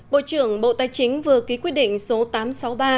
bộ trưởng bộ tài chính vừa ký quyết định số tám trăm sáu mươi ba